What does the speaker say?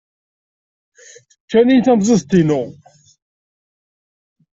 Ččan-iyi tamẓidt-inu.